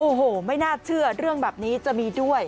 โอ้โหไม่น่าเชื่อเรื่องแบบนี้จะมีด้วย